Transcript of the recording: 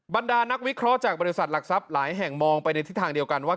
บรรดานักวิเคราะห์จากบริษัทหลักทรัพย์หลายแห่งมองไปในทิศทางเดียวกันว่า